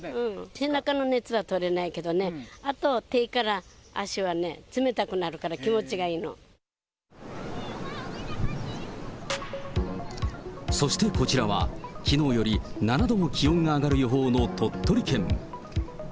背中の熱は取れないけどね、あと、手から足はね、冷たくなるそしてこちらは、きのうより７度も気温が上がる予報の鳥取県。